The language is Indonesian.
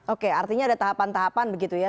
oke artinya ada tahapan tahapan begitu ya